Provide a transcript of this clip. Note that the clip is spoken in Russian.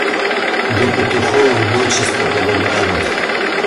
До петухов дочиста подобрали.